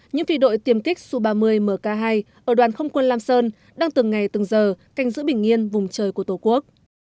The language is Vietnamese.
những phi đội tiềm kích su ba mươi mk hai ở đoàn không quân lam sơn đang từng ngày từng giờ canh giữ bình yên vùng trời của tổ quốc